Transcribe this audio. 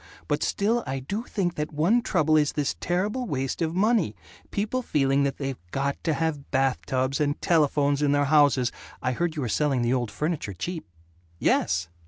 But still I do think that one trouble is this terrible waste of money, people feeling that they've got to have bath tubs and telephones in their houses I heard you were selling the old furniture cheap." "Yes!"